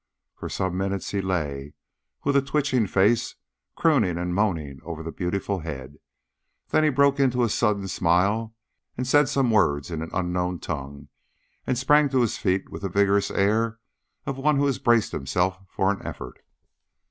For some minutes he lay, with a twitching face, crooning and moaning over the beautiful head. Then he broke into a sudden smile, said some words in an unknown tongue, and sprang to his feet with the vigorous air of one who has braced himself for an effort.